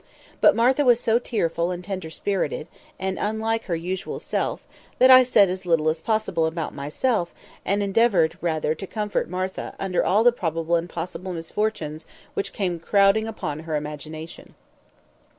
But Martha was so tearful and tender spirited, and unlike her usual self, that I said as little as possible about myself, and endeavoured rather to comfort Martha under all the probable and possible misfortunes which came crowding upon her imagination.